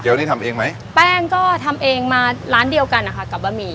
เดี๋ยวนี่ทำเองไหมแป้งก็ทำเองมาร้านเดียวกันนะคะกับบะหมี่